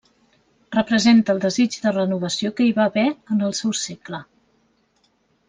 Representa el desig de renovació que hi va haver en el seu segle.